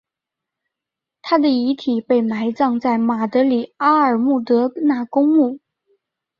她的遗体被埋葬在马德里阿尔穆德纳公墓。